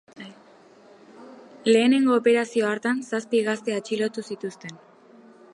Lehenengo operazio hartan, zazpi gazte atxilotu zituzten.